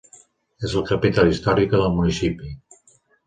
És la capital històrica del municipi.